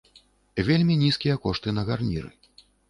Вельмі нізкія кошты на гарніры.